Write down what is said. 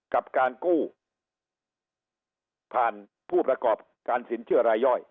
กับการกู้ผ่านผู้ประกอบการสินเชื่อรายย่อย